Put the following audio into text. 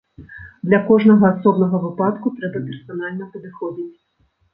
Да кожнага асобнага выпадку трэба персанальна падыходзіць.